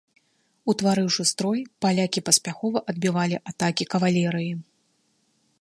Утварыўшы строй, палякі паспяхова адбівалі атакі кавалерыі.